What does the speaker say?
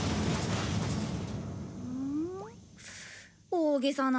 大げさな。